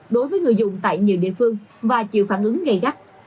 đối với người dùng tại nhiều địa phương và chịu phản ứng gây gắt